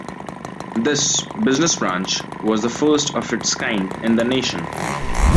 This "Business Branch" was the first of its kind in the nation.